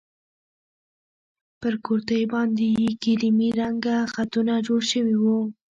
پر کورتۍ باندې يې کيريمي رنګه خطونه جوړ شوي وو.